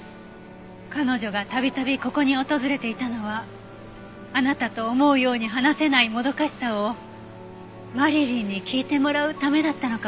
彼女が度々ここに訪れていたのはあなたと思うように話せないもどかしさをマリリンに聞いてもらうためだったのかもしれません。